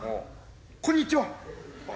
こんにちは。